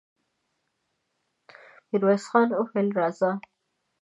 ميرويس خان وويل: راځه!